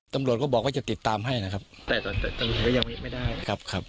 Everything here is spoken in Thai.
ตำรวจก็บอกว่าจะติดตามให้นะครับแต่ตำรวจก็ยังไม่ได้ครับครับ